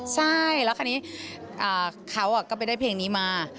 ใช่แล้วคราวนี้เขาก็ไปได้เพลงนี้มา